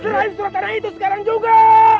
serahin surat tanah itu sekarang juga